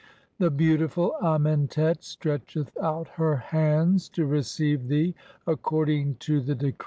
The beautiful Amentet stretcheth out her "hands to receive thee according to the decree of 1.